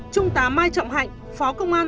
trung tá mai trọng hạnh phó công an